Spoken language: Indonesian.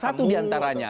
salah satu diantaranya